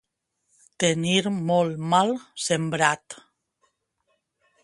Tenir molt mal sembrat.